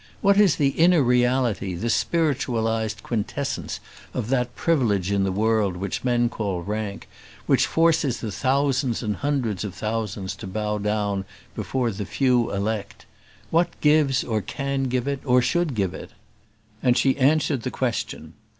What is the inner reality, the spiritualised quintessence of that privilege in the world which men call rank, which forces the thousands and hundreds of thousands to bow down before the few elect? What gives, or can give it, or should give it? And she answered the question.